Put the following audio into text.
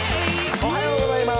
おはようございます。